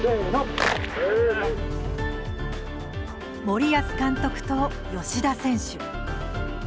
森保監督と吉田選手。